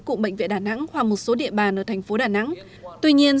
cụm bệnh viện đà nẵng hoặc một số địa bàn ở thành phố đà nẵng tuy nhiên